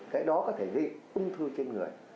cái đó có thể gây ung thư trên người